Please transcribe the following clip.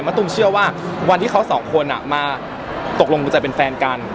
ตุ้มเชื่อว่าวันที่เขาสองคนมาตกลงดูใจเป็นแฟนกัน